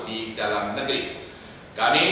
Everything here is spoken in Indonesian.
di dalam negeri kami